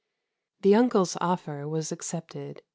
'" The uncle's offer was accepted.